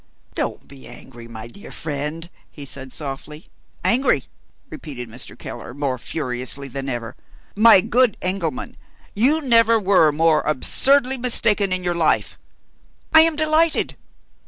"Don't be angry, my dear friend," he said softly. "Angry?" repeated Mr. Keller, more furiously than ever. "My good Engelman, you never were more absurdly mistaken in your life! I am delighted.